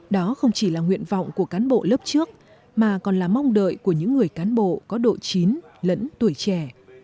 đó không chỉ là nguyện vọng của cán bộ lớp trước mà còn là mong đợi của những người cán bộ có độ chín lẫn tuổi trẻ